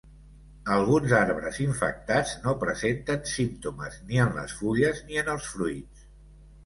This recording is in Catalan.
Alguns arbres infectats no presenten símptomes ni en les fulles ni en els fruits.